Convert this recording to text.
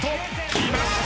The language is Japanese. きました！